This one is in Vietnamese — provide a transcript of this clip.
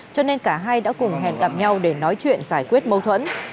cho nên cả hai đã cùng hẹn gặp nhau để nói chuyện giải quyết mâu thuẫn